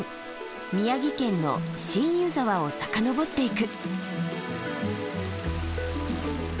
宮城県の新湯沢を遡っていく。